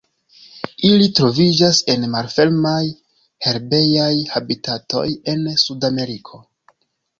Ili troviĝas en malfermaj, herbejaj habitatoj en Sudameriko.